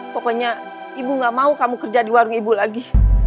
pokoknya ibu gak mau kamu kerja di warung ibu lagi